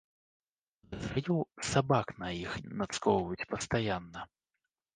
Падазраю, сабак на іх нацкоўваюць пастаянна.